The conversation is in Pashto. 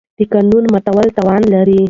د قانون ماتول تاوان لري.